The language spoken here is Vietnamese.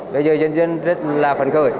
bây giờ dân dân rất là phấn khởi